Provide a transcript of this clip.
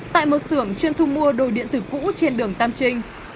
tại một xưởng chuyên thu mua đồ điện tử cũ trên đường tam trinh